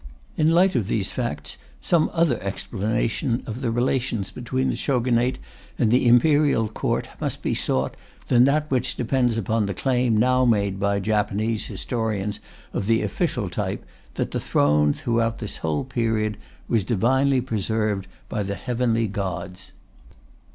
In the light of these facts, some other explanation of the relations between the Shogunate and the Imperial Court must be sought than that which depends upon the claim now made by Japanese historians of the official type, that the throne, throughout this whole period, was divinely preserved by the Heavenly Gods.